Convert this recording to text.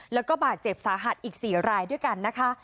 แล้วก็บาดเจ็บสาหัสอีก๔รายด้วยกันนะคะ